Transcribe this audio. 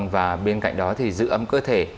và bên cạnh đó thì giữ ấm cơ thể